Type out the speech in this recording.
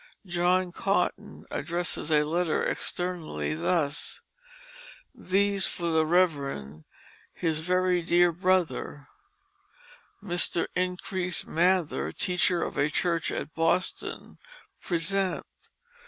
John Cotton addresses a letter externally thus: "These, For the Reverend, his very deare Brother, Mr. Increase Mather, Teacher of a Church at Boston, Present."